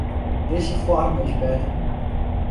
Dizze foarm is better.